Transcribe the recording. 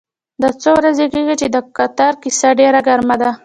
دا څو ورځې کېږي چې د قطر کیسه ډېره ګرمه ده.